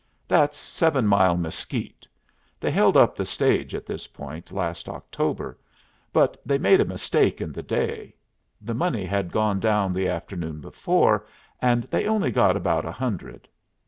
"That's Seven Mile Mesquite. They held up the stage at this point last October. But they made a mistake in the day. The money had gone down the afternoon before, and they only got about a hundred."